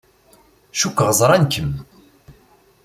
Cukkeɣ ẓran-kem.